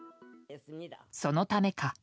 そのためか。